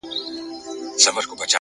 • یوه ورځ یې پر چینه اوبه چښلې ,